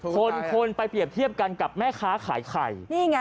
คนคนไปเปรียบเทียบกันกับแม่ค้าขายไข่นี่ไง